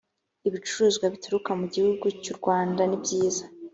ibicuruzwa bituruka mu gihugu cyurwanda nibyiza